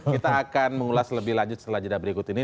kita akan mengulas lebih lanjut setelah jeda berikut ini